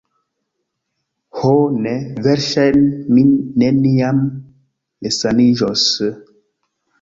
Ho ne; verŝajne mi neniam resaniĝos...